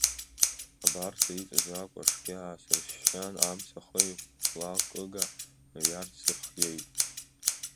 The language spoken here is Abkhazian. Абарҵа иҵаз акәашгьы аасыршьшьан, амца ахы еихәлакыга аҩарҵә сырхиеит.